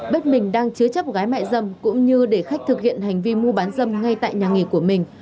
bếp mình đang chứa chấp gái mẹ dâm cũng như để khách thực hiện hành vi mua bán dâm ngay tại nhà nghị của mình